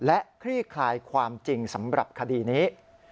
และคลี่คลายความจริงสำหรับคดีนี้